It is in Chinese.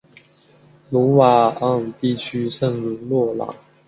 鲁瓦昂地区圣洛朗。